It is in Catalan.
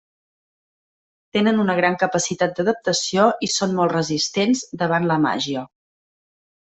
Tenen una gran capacitat d'adaptació i són molt resistents davant la màgia.